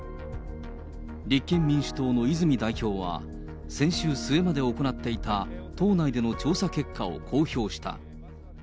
立憲民主党の泉代表は、先週末まで行っていた党内での調査結果を公表した。